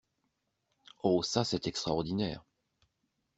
Oh ça c'est extraordinaire.